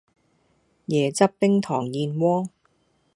椰汁冰糖燕窩